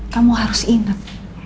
kamu harus ingat